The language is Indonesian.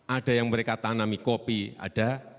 ada yang mereka tanami kopi ada